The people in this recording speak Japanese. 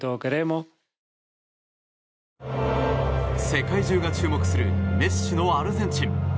世界中が注目するメッシのアルゼンチン。